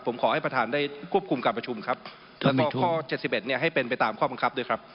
ผมขอให้ประธานได้ควบคุมการประชุมครับแล้วก็ข้อ๗๑เนี่ยให้เป็นไปตามข้อบังคับด้วยครับ